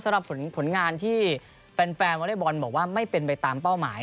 สำหรับผลงานที่แฟนวอเล็กบอลบอกว่าไม่เป็นไปตามเป้าหมาย